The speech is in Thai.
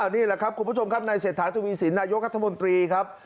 นี่แหละครับคุณผู้ชมครับนายเศรษฐาทวีสินนายกรัฐมนตรีครับ